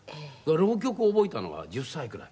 浪曲を覚えたのが１０歳くらい。